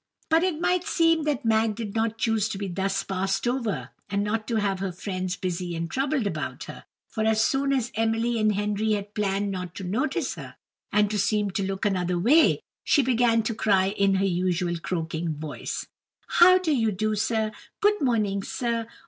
But it might seem that Mag did not choose to be thus passed over, and not to have her friends busy and troubled about her; for as soon as Emily and Henry had planned not to notice her, and to seem to look another way, she began to cry in her usual croaking voice, "How do you do, sir? Good morning, sir!